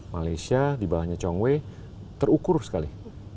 malaysia dibawahnya chong wei terukur sekali